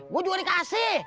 gue juga dikasih